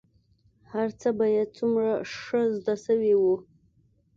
هرڅه به يې څومره ښه زده سوي وو.